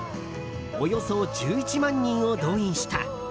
およそ１１万人を動員した。